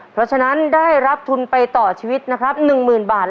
เพราะฉะนั้นได้รับทุนไปต่อชีวิตนะครับหนึ่งหมื่นบาท